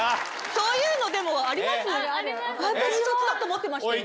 そういうのでもありますよね？